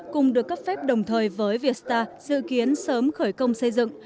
cùng được cấp phép đồng thời với vietstar dự kiến sớm khởi công xây dựng